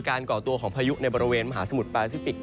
ก่อตัวของพายุในบริเวณมหาสมุทรแปซิฟิก